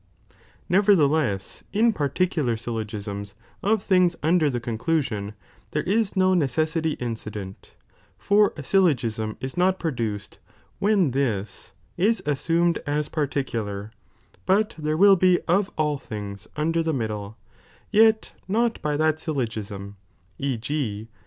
Nevertheless in particular sjllogiama of things under the con clusion, there is no necessity incident, for a syllogism is not • (wooToorc) produced,^ when this" is assumed aa particular, maiurin ui but there will be of all things under the middle, ""' yet not by that syllogism, e. g.